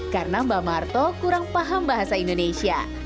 karena bah marto kurang paham bahasa indonesia